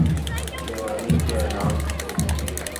جوانی کے ایام تھے۔